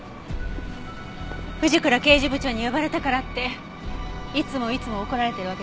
藤倉刑事部長に呼ばれたからっていつもいつも怒られてるわけじゃないわよ。